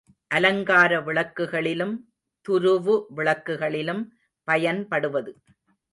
அலங்கார விளக்குகளிலும், துருவு விளக்கிலும் பயன்படுவது.